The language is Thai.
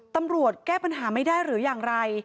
แก้ปัญหาไม่ได้หรืออย่างไร